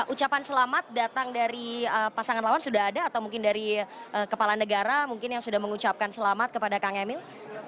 ucapan selamat datang dari pasangan lawan sudah ada atau mungkin dari kepala negara mungkin yang sudah mengucapkan selamat kepada kang emil